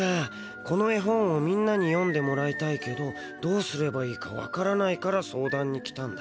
この絵本をみんなに読んでもらいたいけどどうすればいいかわからないから相談に来たんだ。